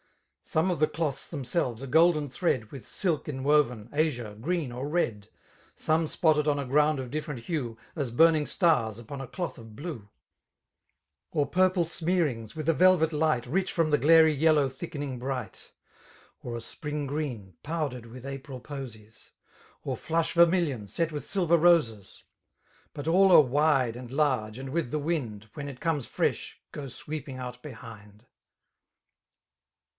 Some of the cloths themselres are golden thread With silk enwoven> azure, green> or red; Some spotted on a ground of different hue^ As burning stars upon a cloth of blue^ — Or purple smearings with a velvet light Rich from the glary yellow thickening bright^— Or a spring green> powdered with April posies, ^ Or flush vermilion, set with silver roses: But all are wide and large> and with the wind> When it comei^ fresb^ go sweeping out behind.